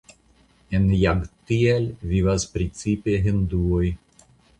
En Jagtial vivas precipe hinduoj.